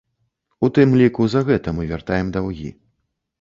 У тым ліку за гэта мы вяртаем даўгі.